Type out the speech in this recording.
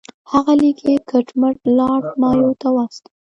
هغه لیک یې کټ مټ لارډ مایو ته واستاوه.